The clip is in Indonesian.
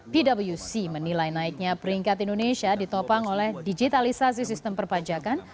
pwc menilai naiknya peringkat indonesia ditopang oleh digitalisasi sistem perpajakan